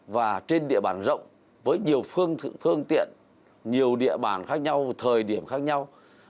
và trên địa bàn rộng với nhiều phương tiện nhiều địa bàn khác nhau thời điểm khác nhau